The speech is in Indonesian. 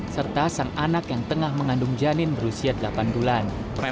serta sang anak yang tengah mengandung janin berusia delapan bulan